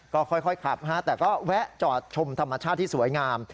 ก็ค่อยขับแต่ก็แวะจอดชมธรรมชาติที่สวยงาม